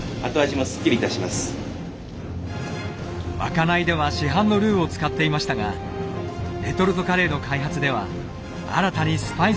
まかないでは市販のルーを使っていましたがレトルトカレーの開発では新たにスパイスを調合しました。